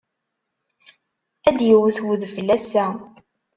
Ad d-iwet udfel ass-a.